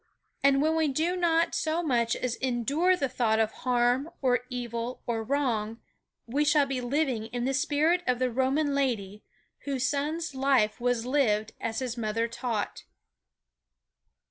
And when we do not so much as endure the thought of harm or evil or wrong we shall be living in the spirit of the Roman lady whose son's life was lived as his mother taught.